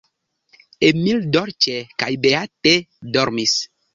Emil dolĉe kaj beate dormis.